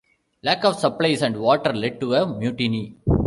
Lack of supplies and water led to a mutiny.